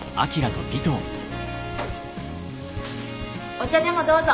お茶でもどうぞ。